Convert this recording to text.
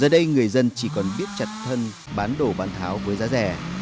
dân chỉ còn biết chặt thân bán đổ bán tháo với giá rẻ